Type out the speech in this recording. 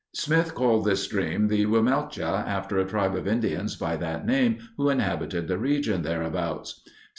Smith called this stream the Wimmelche after a tribe of Indians by that name who inhabited the region thereabouts.